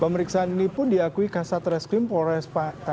pemeriksaan ini pun diakui kasat reskrim polres